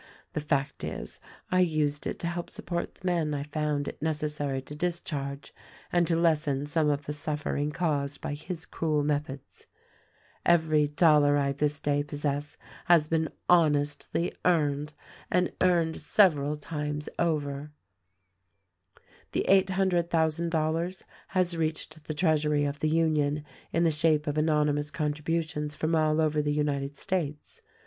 The fact is I used it to help support the men I found it necessary to discharge and to lessen some of the suffering caused by his cruel methods. Every dollar I this day THE RECORDING ANGEL 255 possess has been honestly earned — and earned several times over. The eight hundred thousand dollars has reached the treasury of the Union in the shape of anonymous contri butions from all over the United States.